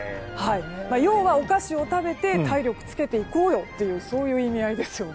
要は、お菓子を食べて体力つけていこうよというそういう意味合いですよね。